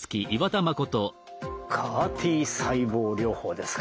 ＣＡＲ−Ｔ細胞療法ですか。